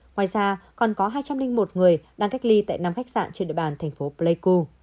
ngoài ra còn có hai trăm linh một người đang cách ly tại năm khách sạn trên địa bàn thành phố pleiku